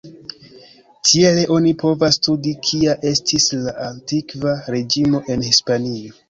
Tiele oni povas studi kia estis la Antikva Reĝimo en Hispanio.